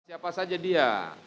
siapa saja dia